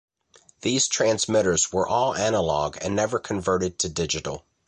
These transmitters were all analog and never converted to digital.